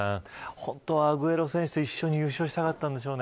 本当、アグエロ選手と一緒に優勝したかったんでしょうね。